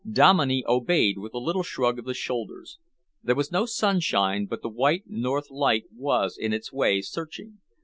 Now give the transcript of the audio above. Dominey obeyed with a little shrug of the shoulders. There was no sunshine, but the white north light was in its way searching.